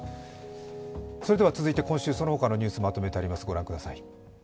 続いて、今週のそのほかのニュースをまとめてあります。